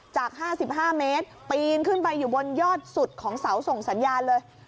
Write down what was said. จาก๕๕เมตรปีนขึ้นไปอยู่บนยอดสุดของเสาส่งสัญญาณเลย